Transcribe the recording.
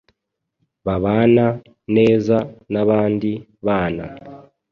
babana neza n’abandi bana